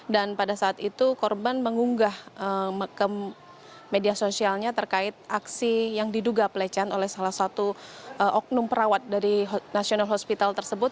dan pada saat itu korban mengunggah ke media sosialnya terkait aksi yang diduga pelecehan oleh salah satu oknum perawat dari nasional hospital tersebut